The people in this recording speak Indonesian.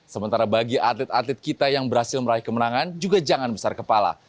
sementara bagi atlet atlet kita yang berhasil meraih kemenangan juga jangan besar kepala